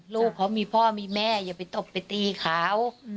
ลูกเขามีพ่อมีแม่อย่าไปตบไปตีเขา